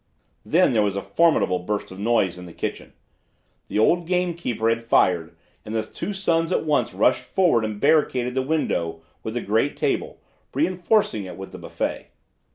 "Then there was a formidable burst of noise in the kitchen. The old gamekeeper had fired and the two sons at once rushed forward and barricaded the window with the great table, reinforcing it with the buffet.